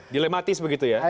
dilematis begitu ya